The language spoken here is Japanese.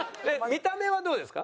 見た目はどうですか？